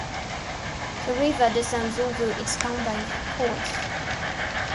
The river descends over its combined course.